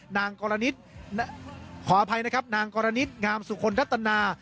นางกรณิตขออภัยนะครับนางกรณิตงามสุคลรัตนา